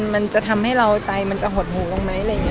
มันจะทำให้เราใจมันจะหดหูลงไหม